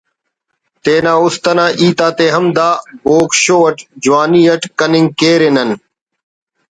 تینا است انا ہیت آتے ہم دا ”بوگ شو“ اٹ جوانی اٹ کننگ کیرے نن